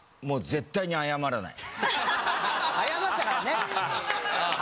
絶対に謝らない。